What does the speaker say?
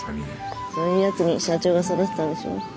そういうやつに社長が育てたんでしょ。